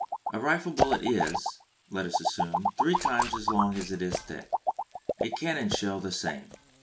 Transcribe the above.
A rifle bullet is, let us assume, three times as long as it is thick; a cannon shell the same.